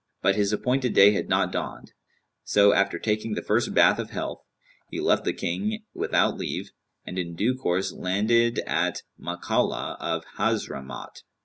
But his appointed day had not dawned; so, after taking the first bath of health, he left the King without leave, and in due course landed at Makallα of Hazramaut.